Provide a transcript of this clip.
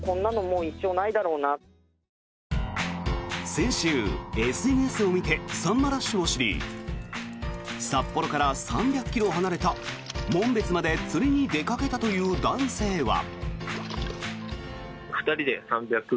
先週、ＳＮＳを見てサンマラッシュを知り札幌から３００ｋｍ離れた紋別まで釣りに出かけたという男性は。